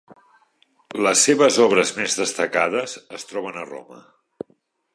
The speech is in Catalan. Les seves obres més destacades es troben a Roma.